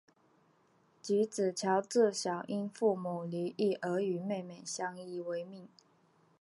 菊梓乔自小因父母离异而与妹妹相依为命。